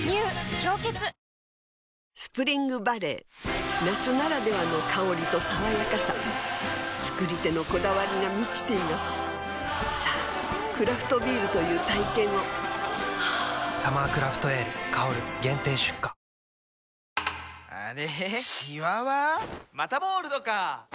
「氷結」スプリングバレー夏ならではの香りと爽やかさ造り手のこだわりが満ちていますさぁクラフトビールという体験を「サマークラフトエール香」限定出荷恐る恐る扉を開くごめんなさい